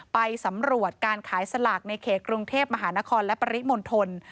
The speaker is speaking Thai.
ไปสำรวจการขายสลากในเขตกรุงเทพมหานครและปริมณฑล